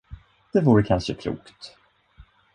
Det vore kanske klokt.